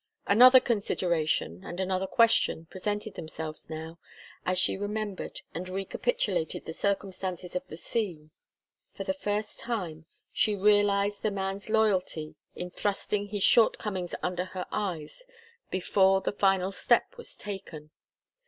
Another consideration and another question presented themselves now, as she remembered and recapitulated the circumstances of the scene. For the first time she realized the man's loyalty in thrusting his shortcomings under her eyes before the final step was taken.